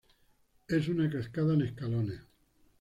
Es una cascada en escalones.